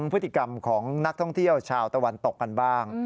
พฤติกรรมของนักท่องเที่ยวชาวตะวันตกกันบ้าง